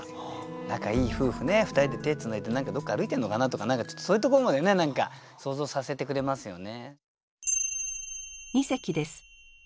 仲いい夫婦ねふたりで手つないで何かどっか歩いてんのかなとかちょっとそういうところまでね想像させてくれますよね。